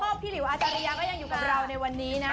พี่หลิวอาจารยาก็ยังอยู่กับเราในวันนี้นะ